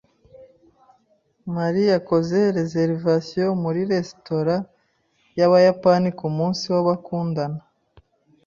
Mary yakoze reservation muri resitora yabayapani kumunsi w'abakundana.